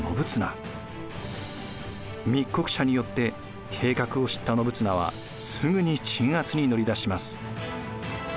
密告者によって計画を知った信綱はすぐに鎮圧に乗り出します。